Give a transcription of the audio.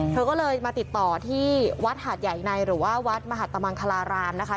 เธอก็เลยมาติดต่อที่วัดหาดใหญ่ในหรือว่าวัดมหัตมังคลารามนะคะ